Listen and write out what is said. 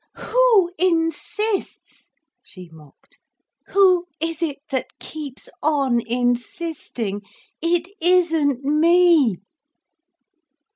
"Who insists?" she mocked. "Who is it that keeps on insisting? It isn't _me!